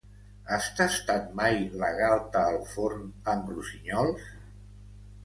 Has tastat mai la galta al forn amb rossinyols?